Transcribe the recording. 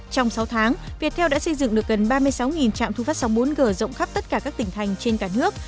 trong sáu tháng viettel đã xây dựng được gần ba mươi sáu trạm thu phát sóng bốn g rộng khắp tất cả các tỉnh thành trên cả nước